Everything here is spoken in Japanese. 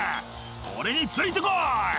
「俺について来い！」